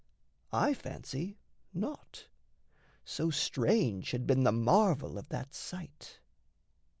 I fancy, naught So strange had been the marvel of that sight.